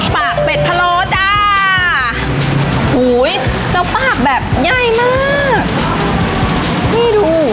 ปากเป็ดพะโลจ้าหู้ยเจ้าปากแบบใหญ่มากนี่ดู